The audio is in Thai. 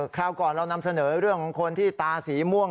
คราวก่อนเรานำเสนอเรื่องของคนที่ตาสีม่วง